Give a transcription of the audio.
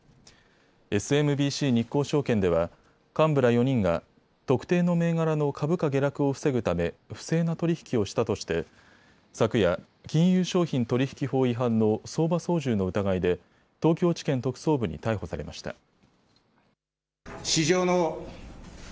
ＳＭＢＣ日興証券では幹部ら４人が特定の銘柄の株価下落を防ぐため不正な取り引きをしたとして昨夜、金融商品取引法違反の相場操縦の疑いで東京地検特捜部に逮捕されました。